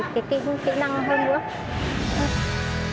cái kĩ năng hơn nữa